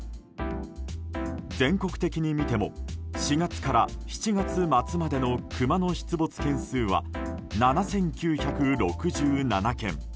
全国的に見ても４月から７月末までのクマの出没件数は７９６７件。